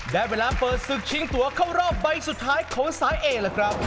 ได้เวลาเปิดศึกชิงตัวเข้ารอบใบสุดท้ายของสายเอล่ะครับ